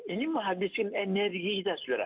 ini menghabiskan energi kita sebenarnya